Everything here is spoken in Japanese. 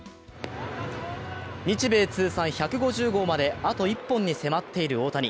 日米通算１５０号まで、あと１本に迫っている大谷。